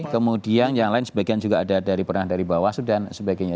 kemudian yang lain juga ada dari bahwa sudah sebagainya